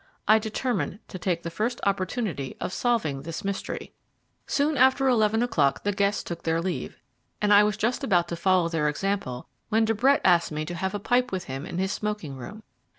I determined to take the first opportunity of solving this mystery. Soon after eleven o'clock the guests took their leave, and I was just about to follow their example when De Brett asked me to have a pipe with him in his smoking room.